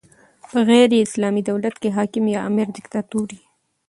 په غیري اسلامي دولت کښي حاکم یا امر ډیکتاتور يي.